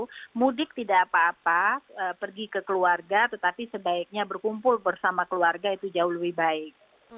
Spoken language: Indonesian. kalau mudik tidak apa apa pergi ke keluarga tetapi sebaiknya berkumpul bersama keluarga itu jauh lebih baik